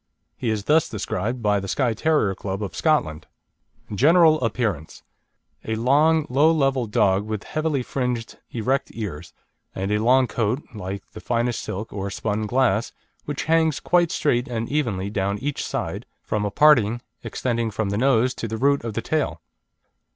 He is thus described by the Skye Terrier Club of Scotland: GENERAL APPEARANCE A long, low, level dog, with heavily fringed erect ears, and a long coat like the finest silk or spun glass, which hangs quite straight and evenly down each side, from a parting extending from the nose to the root of the tail.